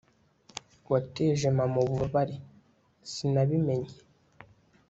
wateje mama ububabare, sinabimenye